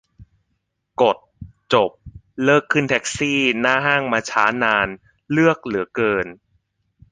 กด จบ เลิกขึ้นแท็กซี่หน้าห้างมาช้านาน เลือกเหลือเกิน